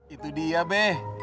itu dia be